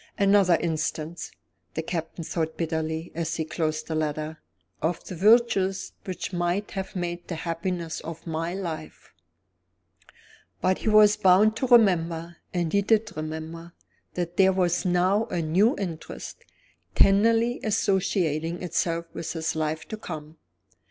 "Another instance," the Captain thought bitterly, as he closed the letter, "of the virtues which might have made the happiness of my life!" But he was bound to remember and he did remember that there was now a new interest, tenderly associating itself with his life to come.